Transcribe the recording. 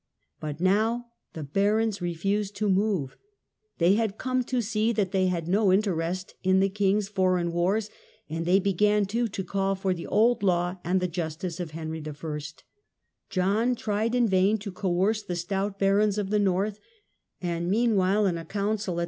But now the barons refused to move. They had come to see that they had no interest in the king's foreign wars, and they began, too, to call for the old law and the justice of Henry I. John tried in vain to coerce the stout barons of the North, and mean while in a council at S.